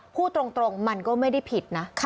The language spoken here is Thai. พูดตรงมันก็ไม่ได้ผิดนะ